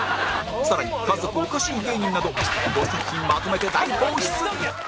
更に家族オカシイ芸人など５作品まとめて大放出